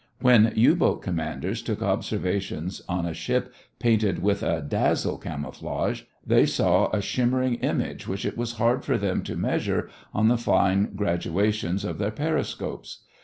When U boat commanders took observations on a ship painted with a "dazzle" camouflage, they saw a shimmering image which it was hard for them to measure on the fine graduations of their periscopes.